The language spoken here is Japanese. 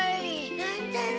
乱太郎！